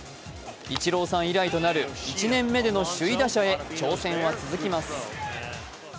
イチローさん以来となる１年目での首位打者へ挑戦は続きます。